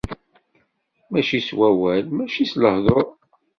Mačči s wawal, mačči s lehdur.